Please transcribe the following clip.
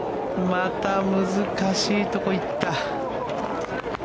また難しいところ行った。